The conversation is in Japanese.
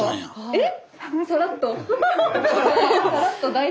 えっ⁉